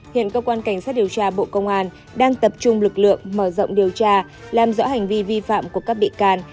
hiện cơ quan cảnh sát điều tra bộ công an đang tập trung lực lượng mở rộng điều tra làm rõ hành vi vi phạm của các bị can